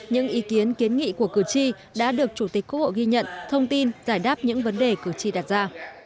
những ý kiến kiến nghị của cử tri đã được chủ tịch quốc hội ghi nhận thông tin giải đáp những vấn đề cử tri đặt ra